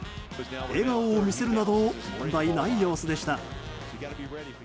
笑顔を見せるなど問題ない様子でした。